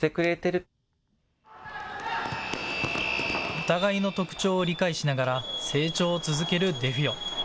お互いの特長を理解しながら成長を続けるデフィオ。